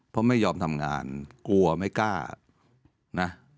เพราะไม่ยอมทำงานกลัวไม่กล้านะ